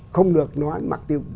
không được nói mặt tiêu cực